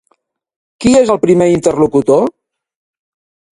Qui és el primer interlocutor?